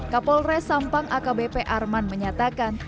kapolres sampang akbp arman menyatakan